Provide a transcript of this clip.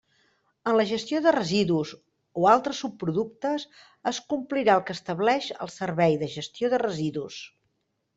En la gestió de residus o altres subproductes es complirà el que estableix el Servei de Gestió de Residus.